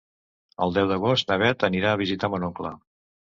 El deu d'agost na Bet anirà a visitar mon oncle.